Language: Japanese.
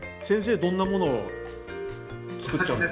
先生どんなものを作った？